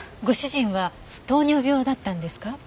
ご主人は糖尿病だったんですか？